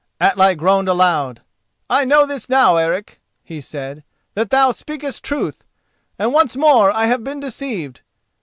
Atli groaned aloud. "I know this now, Eric," he said: "that thou speakest truth, and once more I have been deceived.